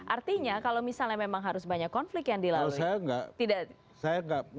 artinya kalau misalnya memang harus banyak konflik yang dilalui